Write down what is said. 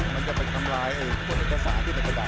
มันจะไปทำลายพวกอักษรที่ประดาษ